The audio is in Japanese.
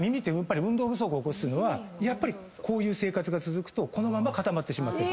運動不足を起こすのはやっぱりこういう生活が続くとこのまま固まってしまってる。